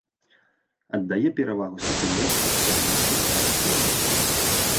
Аддае перавагу сухім месцам і адносна багатым глебам.